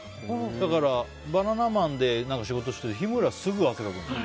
だから、バナナマンで仕事してる時日村はすぐ汗かくの。